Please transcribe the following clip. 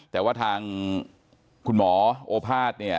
แต่ว่าทางคุณหมอโอภาษณ์